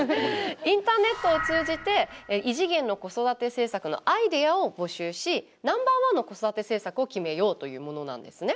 インターネットを通じて異次元の子育て政策のアイデアを募集しナンバーワンの子育て政策を決めようというものなんですね。